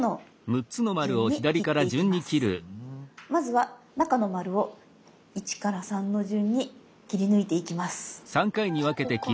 まずは中の丸を１から３の順に切り抜いていきます。